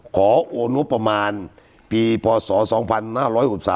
โอนงบประมาณปีพศ๒๕๖๓